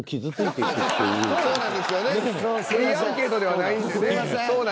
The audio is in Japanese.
いいアンケートではないんでね。